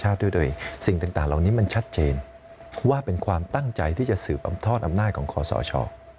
หลายส่วนสิ่งต่างเรานี้มันชัดเจนว่าเป็นความตั้งใจที่จะสืบอำนาจของศช